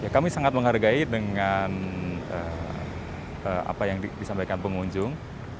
kami sangat menghargai dengan apa yang disampaikan pengunjung